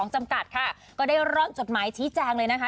จำกัดค่ะก็ได้ร่อนจดหมายชี้แจงเลยนะคะ